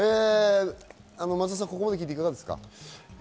ここまで聞いていかがですか。